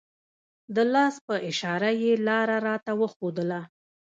د لاس په اشاره یې لاره راته وښودله.